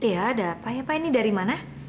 ya ada apa ya pak ini dari mana